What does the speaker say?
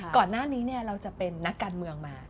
ก่อนหน้านี้เนี่ยเราจะเป็นนักการเมืองมา